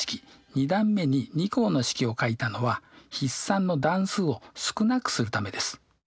２段目に２項の式を書いたのは筆算の段数を少なくするためです。